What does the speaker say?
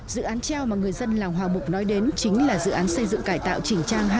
dự án treo mà người dân làng hòa mục nói đến chính là dự án xây dựng cải tạo chỉnh trang